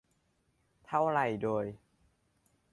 เท่าไหร่โดย